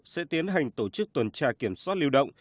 sẽ tiến hành tổ chức tuần tra kiểm soát lưu động